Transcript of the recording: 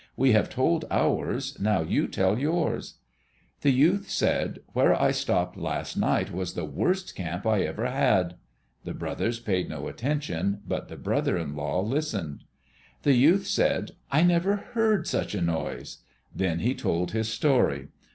We have told ours, now you tell yours." The youth said, "Where I stopped last night was the worst camp I ever had." The brothers paid no attention but the brother in law listened. The youth said, "I never heard such a noise." Then he told his story.